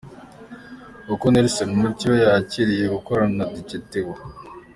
Uko Nelson Mucyo yakiriye gukorana na Dj Theo.